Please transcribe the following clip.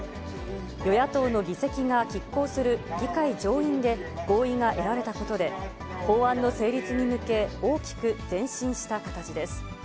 与野党の議席がきっ抗する議会上院で、合意が得られたことで、法案の成立に向け、大きく前進した形です。